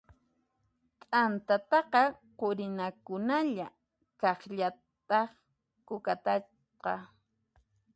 T'antataqa qurinakunalla, kaqllataq kukataqa.